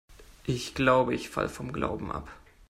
Ich glaube, ich falle vom Glauben ab.